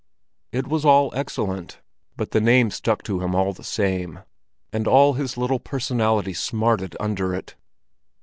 It was all excellent, but the name stuck to him all the same; and all his little personality smarted under it.